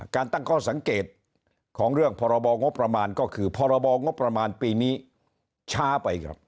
ตั้งข้อสังเกตของเรื่องพรบงบประมาณก็คือพรบงบประมาณปีนี้ช้าไปครับ